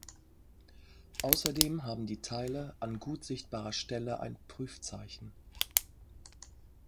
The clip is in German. Außerdem haben die Teile an gut sichtbarer Stelle ein Prüfzeichen.